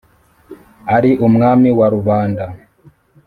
ari umwami wa rubanda.